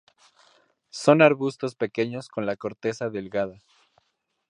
Son arbustos pequeños con la corteza delgada.